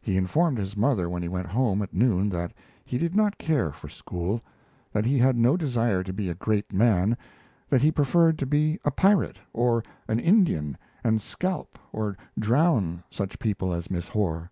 He informed his mother when he went home at noon that he did not care for school; that he had no desire to be a great man; that he preferred to be a pirate or an Indian and scalp or drown such people as Miss Horr.